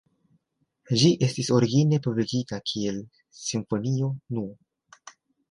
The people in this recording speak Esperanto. Ĝi estis origine publikigita kiel "Simfonio No.